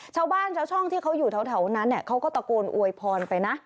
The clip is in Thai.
ชาวบ้านชาวช่องที่เขาอยู่แถวนั้นเขาก็ตะโกนอวยพรไปนะ